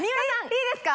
いいですか？